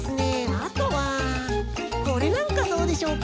あとはこれなんかどうでしょうか？